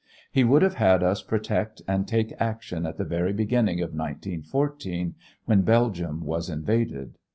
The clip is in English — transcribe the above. He would have had us protest and take action at the very beginning, in 1914, when Belgium was invaded.